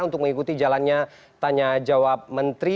untuk mengikuti jalannya tanya jawab menteri